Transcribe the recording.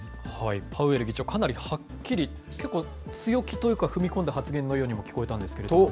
パウエル議長、かなりはっきり、結構強気というか、踏み込んだ発言のようにも聞こえたんですけど。